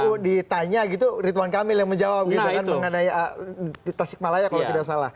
kalau ditanya gitu ridwan kamil yang menjawab gitu kan mengenai di tasikmalaya kalau tidak salah